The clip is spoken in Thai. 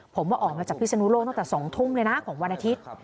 ผมออกมาจากพิศนุโลกตั้งแต่๒ทุ่มเลยนะของวันอาทิตย์